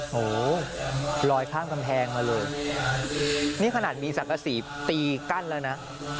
โหลอยข้ามกำแพงมาเลยนี่ขนาดมีสังกษีตีกั้นแล้วนะ